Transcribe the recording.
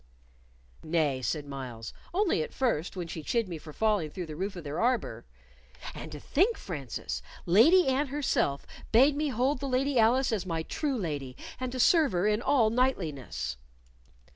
"Nay," said Myles; "only at first, when she chid me for falling through the roof of their arbor. And to think, Francis! Lady Anne herself bade me hold the Lady Alice as my true lady, and to serve her in all knightliness!"